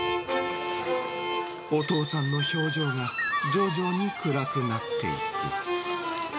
お父さんの表情が徐々に暗くなっていく。